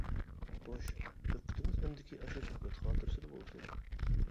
خوش، دىققىتىڭىز ئەمدىكى ئاشۇ سۆھبەت خاتىرىسىدە بولسۇن.